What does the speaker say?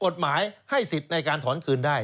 กฎหมายให้สิทธิ์ในการถอนคืนได้